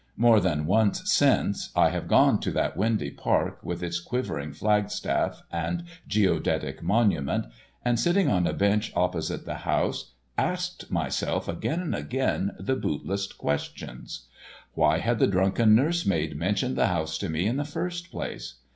More than once since I have gone to that windy park, with its quivering flagstaff and Geodetic monument, and, sitting on a bench opposite the house, asked myself again and again the bootless questions. Why had the drunken nurse maid mentioned the house to me in the first place?